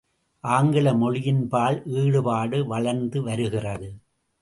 ஆங்கில மொழியின்பால் ஈடுபாடு வளர்ந்து வருகிறது.